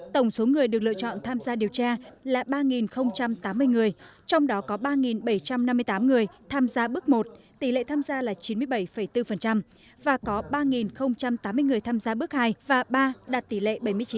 tổng số người được lựa chọn tham gia điều tra là ba tám mươi người trong đó có ba bảy trăm năm mươi tám người tham gia bước một tỷ lệ tham gia là chín mươi bảy bốn và có ba tám mươi người tham gia bước hai và ba đạt tỷ lệ bảy mươi chín